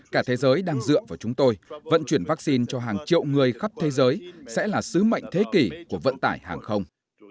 cả thế giới đang dựa vào chúng tôi vận chuyển vaccine cho hàng triệu người khắp thế giới sẽ là sứ mệnh thế kỷ của vận tải hàng không